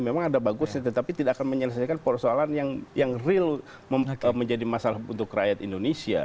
memang ada bagusnya tetapi tidak akan menyelesaikan persoalan yang real menjadi masalah untuk rakyat indonesia